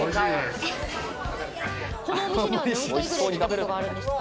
このお店には何回くらい来たことがあるんですか？